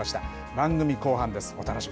番組後半です。